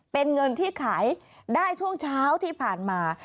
เป็นเงินที่ขายได้ช่วงเช้าที่ผ่านมา